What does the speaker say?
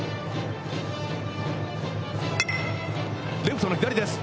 レフトの左です。